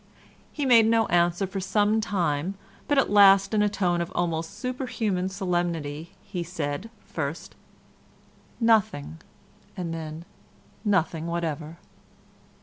He made no answer for some time, but at last in a tone of almost superhuman solemnity, he said, first, "Nothing," and then "Nothing whatever."